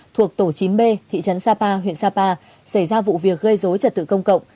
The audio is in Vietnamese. thuộc tổ chín b thị trấn sapa huyện sapa xảy ra vụ việc gây dối trật tự công cộng